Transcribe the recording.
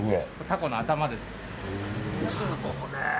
タコの頭です。